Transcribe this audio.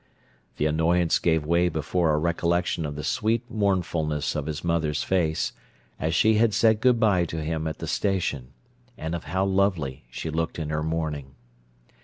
The annoyance gave way before a recollection of the sweet mournfulness of his mother's face, as she had said good bye to him at the station, and of how lovely she looked in her mourning.